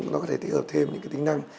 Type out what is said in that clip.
nó có thể tích hợp thêm những cái tính năng